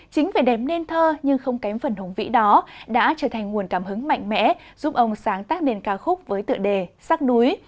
chính về đếm nên thơ nhưng không kém phần hồng vĩ đó đã trở thành nguồn cảm hứng mạnh mẽ giúp ông sáng tác nên ca khúc với tựa đề sắc núi